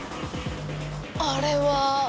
あれは。